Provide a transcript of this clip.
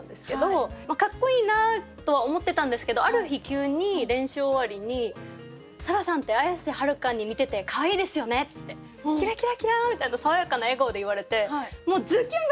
かっこいいなとは思ってたんですけどある日急に練習終わりに「沙羅さんって綾瀬はるかに似てて可愛いですよね」ってキラキラキラ！みたいな爽やかな笑顔で言われてもうズキュン！